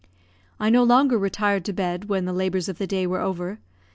I no longer retired to bed when the labours of the day were over.